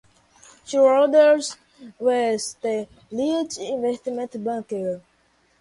Schroders was the lead investment banker.